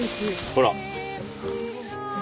ほら。